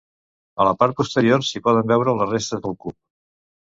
A la part posterior s'hi poden veure les restes del cup.